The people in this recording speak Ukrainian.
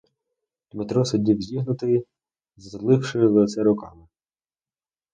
Дмитро сидів зігнутий, затуливши лице руками.